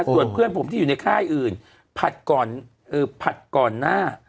ส่วนเพื่อนผมที่อยู่ในค่ายอื่นผัดก่อนผัดก่อนหน้า